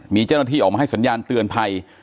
มีเจ้าหน้าที่ออกมาให้สัญญาณเตือนภัย